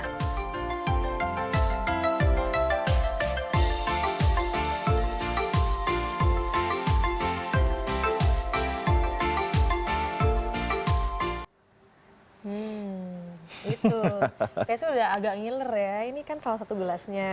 hmm itu saya sudah agak ngiler ya ini kan salah satu gelasnya